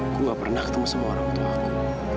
aku gak pernah ketemu sama orang tuaku